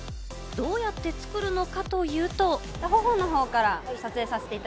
どうやって作るのかというと。